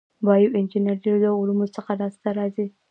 بایو انجنیری له دوو علومو څخه لاس ته راځي.